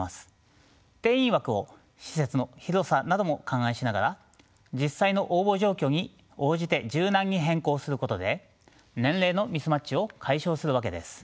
定員枠を施設の広さなども勘案しながら実際の応募状況に応じて柔軟に変更することで年齢のミスマッチを解消するわけです。